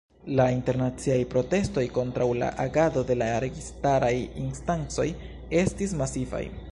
La internaciaj protestoj kontraŭ la agado de la registaraj instancoj estis masivaj.